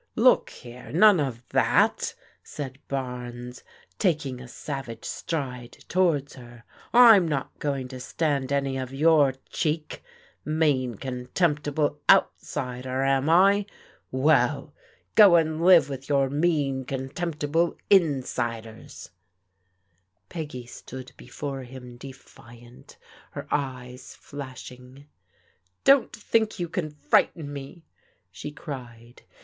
" Look here, none of that !" said Barnes, taking a sav age stride towards her. " I'm not going to stand any of your cheek. Mean, contemptible outsider, am W ^^^ go and live with your mean, contemptible ms\Aft.t^V n 258 PBODIOAL DAUOHTEBS Peggy stood before him defiant, her eyes flashing. ••Don't think you can frighten me," she cried.